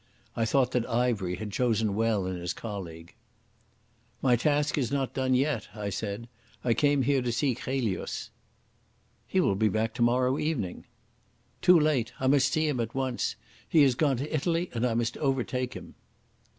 I thought that Ivery had chosen well in his colleague. "My task is not done yet," I said. "I came here to see Chelius." "He will be back tomorrow evening." "Too late. I must see him at once. He has gone to Italy, and I must overtake him."